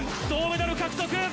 銅メダル獲得！